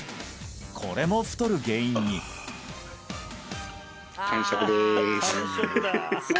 これも太る原因に完食です